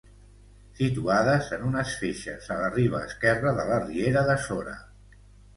Situades en unes feixes a la riba esquerra de la riera de Sora.